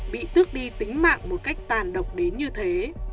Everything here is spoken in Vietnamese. bị tước đi tính mạng một cách tàn độc đến như thế